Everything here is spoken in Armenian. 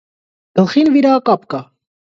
Գլխին վիրակապ կա։